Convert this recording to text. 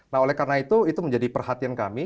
nah oleh karena itu itu menjadi perhatian kami